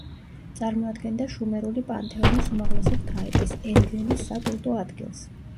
წარმოადგენდა შუმერული პანთეონის უმაღლესი ღვთაების, ენლილის საკულტო ადგილს.